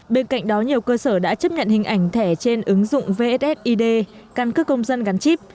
bên cạnh đó nhiều cơ sở đã chấp nhận hình ảnh thẻ trên ứng dụng vssid căn cước công dân gắn chip